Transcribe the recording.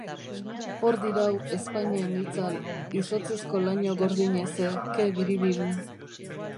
Hor dirau ezpainen itzal, izotzezko laino gordin heze, ke biribil.